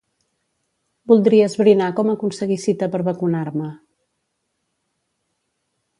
Voldria esbrinar com aconseguir cita per vacunar-me.